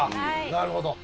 なるほど。